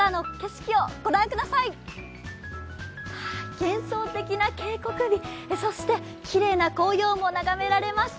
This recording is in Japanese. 幻想的な渓谷美、そしてきれいな紅葉も眺められます。